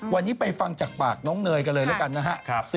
วันนี้ไปฟังจากปากน้องเนยกันเลยแล้วกันนะฮะ